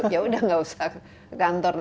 ya udah gak usah ke kantor